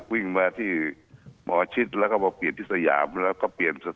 วิ่งมาที่หมอชิดแล้วก็มาเปลี่ยนที่สยามแล้วก็เปลี่ยน